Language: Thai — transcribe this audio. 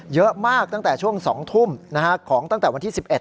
ตั้งแต่ช่วง๒ทุ่มของตั้งแต่วันที่๑๑